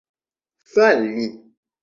fali